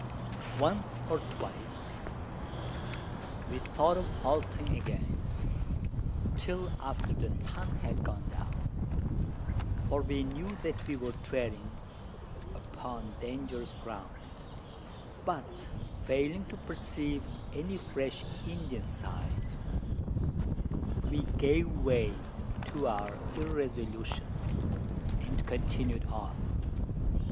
Once or twice, we thought of halting again till after the sun had gone down: for we knew that we were treading upon dangerous ground; but, failing to perceive any fresh Indian sign, we gave way to our irresolution, and continued on.